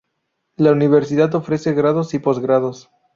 La Universidad ofrece grados y posgrados.